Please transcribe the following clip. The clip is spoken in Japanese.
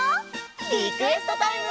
リクエストタイム！